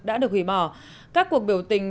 đã được hủy bỏ các cuộc biểu tình